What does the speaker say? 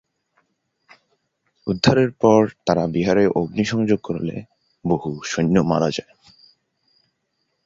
উদ্ধারের পর তারা বিহারে অগ্নিসংযোগ করলে বহু সৈন্য মারা যান।